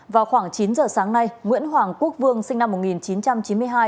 vào khoảng chín giờ sáng nay nguyễn hoàng quốc vương sinh năm một nghìn chín trăm chín mươi hai